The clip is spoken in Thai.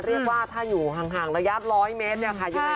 เรียกว่าถ้าอยู่ห่างระยะ๑๐๐เมตรเนี่ยค่ะ